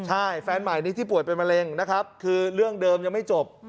ใช่แฟนใหม่นี้ที่ป่วยเป็นมะเร็งนะครับคือเรื่องเดิมยังไม่จบ